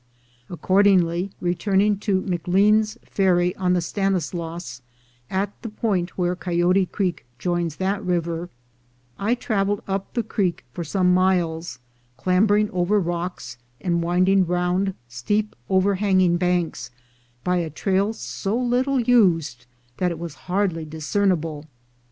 Accordingly, returning to M 'Lean's Ferry on the Stanislaus, at the point where Coyote Creek joins that river, I traveled up the Creek for some miles, clambering over rocks and winding round steep overhanging banks, by a trail so little used that it was hardly discernible.